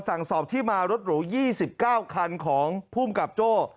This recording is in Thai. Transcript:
สั่งสอบที่มารถหลัว๒๙คันของผู้กำกับโจ้